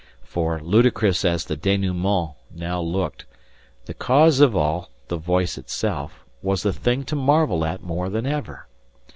For, ludicrous as the denouement now looked, the cause of all, the voice itself, was a thing to marvel at more than ever.